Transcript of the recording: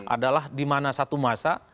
adalah dimana satu masa